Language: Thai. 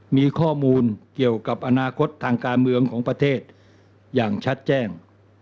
มีข้อมูลเกี่ยวกับอนาคตทางการเมืองของประเทศอย่างชัดแจ้ง